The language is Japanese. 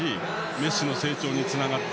メッシの成長につながった。